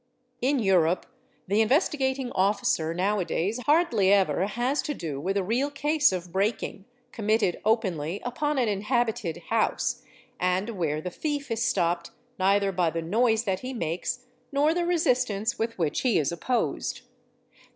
In Europe the Investigating Officer now a days hardly ever has to do with a real case of 'breaking', committed openly upon an inhabited house and where the thief is stopped neither by the noise that he makes nor the resistance with which he is opposed.